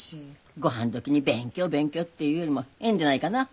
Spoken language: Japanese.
ごはんどきに勉強勉強って言うよりもいいんでないかな。